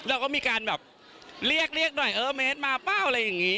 เราก็มีการแบบเรียกหน่อยเออเมตรมาเปล่าอะไรอย่างนี้